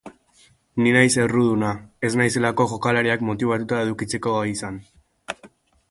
Ni naiz erruduna, ez naizelako jokalariak motibatuta edukitzeko gai izan.